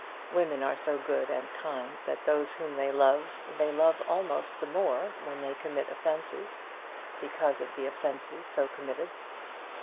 Women are so good and kind that those whom they love they love almost the more when they commit offences, because of the offences so committed.